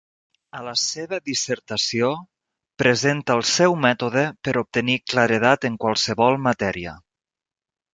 A la seva dissertació, presenta el seu mètode per obtenir claredat en qualsevol matèria.